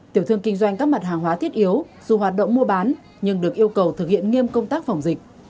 tiểu thương kinh doanh các mặt hàng hóa thiết yếu dù hoạt động mua bán nhưng được yêu cầu thực hiện nghiêm công tác phòng dịch